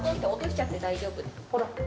ほら。